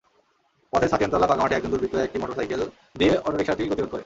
পথে ছাতিয়ানতলা ফাঁকা মাঠে একজন দুর্বৃত্ত একটি মোটরসাইকেল দিয়ে অটোরিকশাটির গতিরোধ করে।